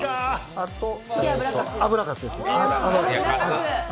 あと油かすですね。